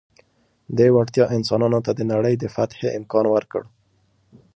دې وړتیا انسانانو ته د نړۍ د فتحې امکان ورکړ.